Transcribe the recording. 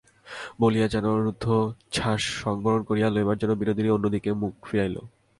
বলিয়া যেন হৃদয়োচ্ছ্বাস সংবরণ করিয়া লইবার জন্য বিনোদিনী অন্য দিকে মুখ ফিরাইল।